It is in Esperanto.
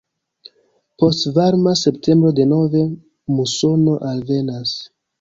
Post varma septembro denove musono alvenas.